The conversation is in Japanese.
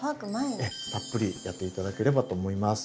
たっぷりやって頂ければと思います。